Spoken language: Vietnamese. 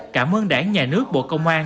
cảm ơn đảng nhà nước bộ công an